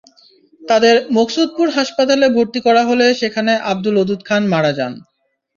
তাঁদের মুকসুদপুর হাসপাতালে ভর্তি করা হলে সেখানে আবদুল ওদুদ খান মারা যান।